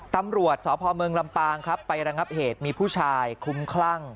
ตำรวจสพเมืองลำปางครับไประงับเหตุมีผู้ชายคุ้มคลั่ง